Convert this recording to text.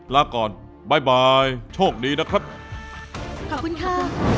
ลาก่อนบ่ายโชคดีนะครับขอบคุณค่ะ